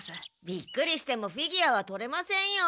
びっくりしてもフィギュアは取れませんよ。